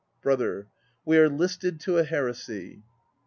. BROTHER. We are listed to a heresy.